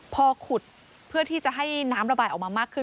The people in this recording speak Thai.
พอขุดเพื่อที่จะให้น้ำระบายออกมามากขึ้น